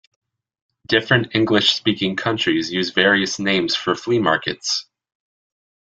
Different English-speaking countries use various names for flea markets.